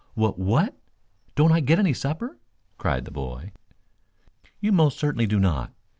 "Wha what? Don't I get any supper?" cried the boy. "You most certainly do not.